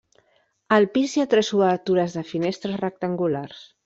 Al pis hi ha tres obertures de finestres rectangulars.